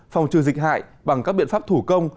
phòng trừ dịch hại bằng các biện pháp thủ công